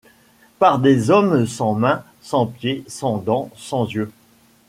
Par des hommes sans mains, sans pieds, sans dents, sans yeux ;